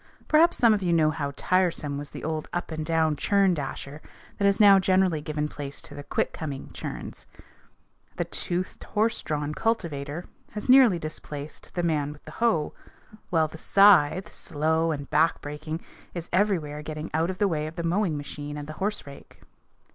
Perhaps some of you know how tiresome was the old up and down churn dasher that has now generally given place to the "quick coming" churns. The toothed, horse drawn cultivator has nearly displaced "the man with the hoe," while the scythe, slow and back breaking, is everywhere getting out of the way of the mowing machine and the horserake.